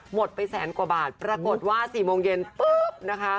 หมดไปแสนกว่าบาทปรากฏว่า๔โมงเย็นปุ๊บนะคะ